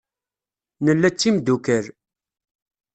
Nella d timdukal.